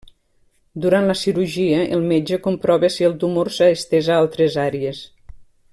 Durant la cirurgia, el metge comprova si el tumor s'ha estès a altres àrees.